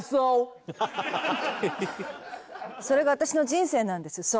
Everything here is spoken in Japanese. それが私の人生なんですＳＯ。